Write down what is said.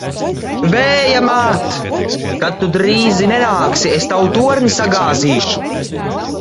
Vēja māt! Kad tu drīzi nenāksi, es tavu torni sagāzīšu!